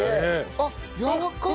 あっやわらかい！